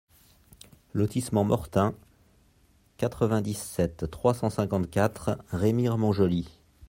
Lotissement Mortin, quatre-vingt-dix-sept, trois cent cinquante-quatre Remire-Montjoly